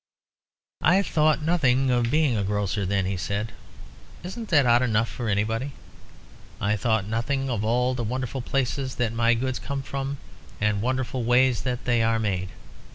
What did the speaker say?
"I thought nothing of being a grocer then," he said. "Isn't that odd enough for anybody? I thought nothing of all the wonderful places that my goods come from, and wonderful ways that they are made.